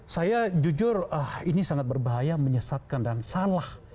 saya jujur ini sangat berbahaya menyesatkan dan salah